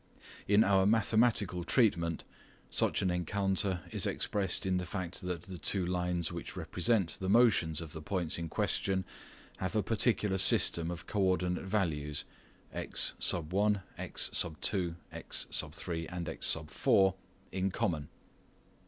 In our mathematical treatment, such an encounter is expressed in the fact that the two lines which represent the motions of the points in question have a particular system of co ordinate values, x, x, x, x, in common.